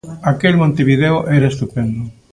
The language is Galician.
Aquel Montevideo era estupendo.